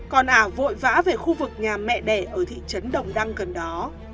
còn ả vội vã về khu vực nhà mẹ đẻ ở thị trấn đồng đăng gần đó